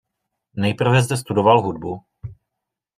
Nejprve zde studoval hudbu.